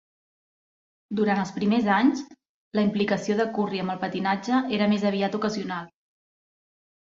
Durant els primers anys, la implicació de Curry amb el patinatge era més aviat ocasional.